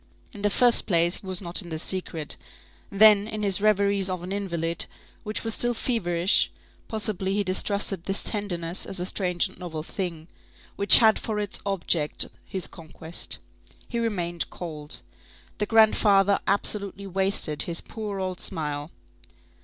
In the first place, he was not in the secret; then, in his reveries of an invalid, which were still feverish, possibly, he distrusted this tenderness as a strange and novel thing, which had for its object his conquest. He remained cold. The grandfather absolutely wasted his poor old smile.